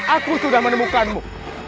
aku sudah menemukanmu